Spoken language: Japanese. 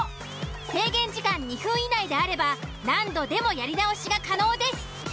制限時間２分以内であれば何度でもやり直しが可能です。